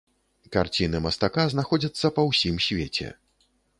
Карціны мастака знаходзяцца па ўсім свеце.